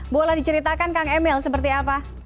boleh diceritakan kang emil seperti apa